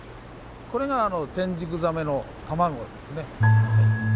これがテンジクザメの卵ですね。